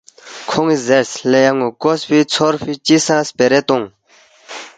کھون٘ی زیرس، ”لے ان٘و کوسفے ژھورفے چی سہ خپیرے تونگ